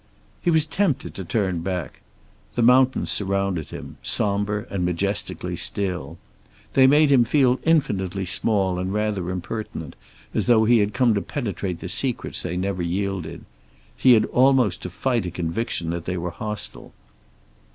He was tempted to turn back. The mountains surrounded him, somber and majestically still. They made him feel infinitely small and rather impertinent, as though he had come to penetrate the secrets they never yielded. He had almost to fight a conviction that they were hostile.